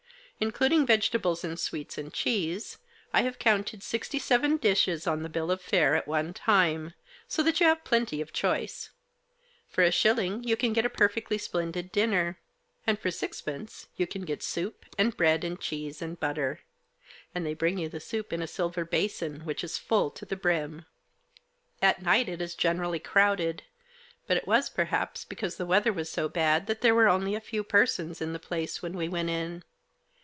Including vegetables, and sweets, and cheese, I have counted sixty seven dishes on the bill of fare at one time, so that you have plenty of choice. For a shilling you can get a perfectly splendid dinner. And for sixpence you can get soup, and bread and cheese Digitized by 6 THE JOSS. and butter ; and they bring you the soup in a silver basin which is full to the brim. At night it is generally crowded, but it was per haps because the weather was so bad that there were only a few persons in the place when we went in.